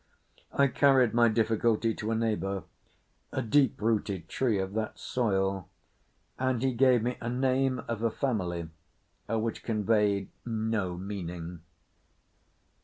I carried my difficulty to a neighbour—a deep rooted tree of that soil—and he gave me a name of a family which conveyed no meaning.